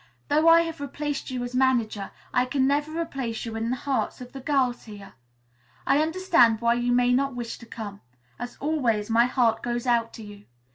Though I have replaced you as manager, I can never replace you in the hearts of the girls here. I understand why you may not wish to come. As always, my heart goes out to you.